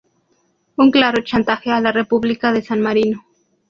Un claro chantaje a la República de San Marino.